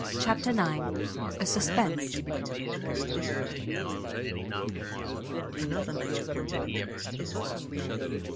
CHAPTER ix. A SUSPENSE.